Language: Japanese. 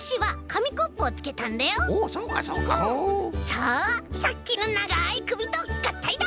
さあさっきのながいくびとがったいだ！